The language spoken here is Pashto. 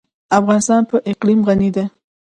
افغانستان په اقلیم غني دی.